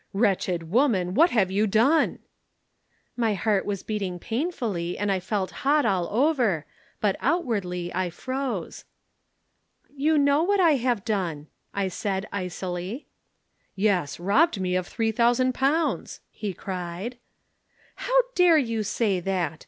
Wretched woman, what have you done?' "My heart was beating painfully and I felt hot all over, but outwardly I froze. "'You know what I have done,' I replied icily. "'Yes, robbed me of three thousand pounds!' he cried. "'How dare you say that?'